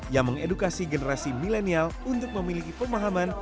yang mengedukasi generasi milenial untuk memiliki pemahaman